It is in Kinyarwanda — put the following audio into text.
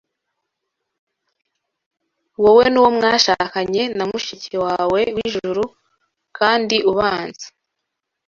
Wowe nuwo mwashakanye na mushiki wawe wijuru. Kandi ubanza